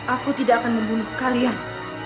aku tidak akan membunuh kalian